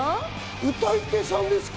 歌い手さんですか？